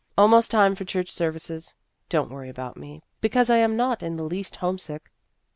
" Almost time for church services. Don't worry about me, because I am not in the least homesick.